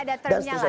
jadi ada ternyala ya